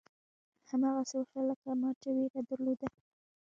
هماغسې وشول لکه ما چې وېره درلوده.